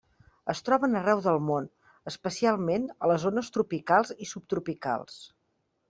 Es troben arreu del món, especialment a les zones tropicals i subtropicals.